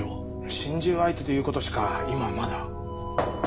心中相手という事しか今はまだ。